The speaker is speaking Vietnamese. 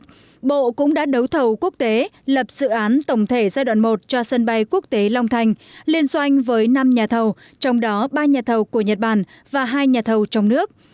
trước đó bộ cũng đã đấu thầu quốc tế lập dự án tổng thể giai đoạn một cho sân bay quốc tế long thành liên doanh với năm nhà thầu trong đó ba nhà thầu của nhật bản và hai nhà thầu trong nước